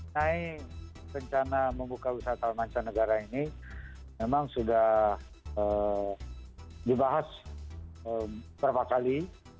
naik rencana membuka usaha talmanca negara ini memang sudah dibahas beberapa kali